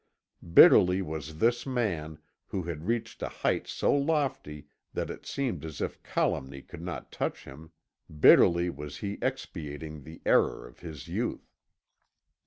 Bitterly was this man, who had reached a height so lofty that it seemed as if calumny could not touch him, bitterly was he expiating the error of his youth.